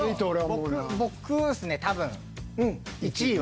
僕ですね多分１位は。